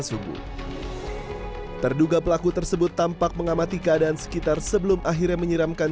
subuh terduga pelaku tersebut tampak mengamati keadaan sekitar sebelum akhirnya menyiramkan